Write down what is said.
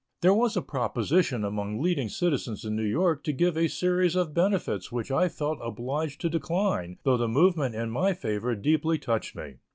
There was a proposition among leading citizens in New York to give a series of benefits which I felt obliged to decline though the movement in my favor deeply touched me.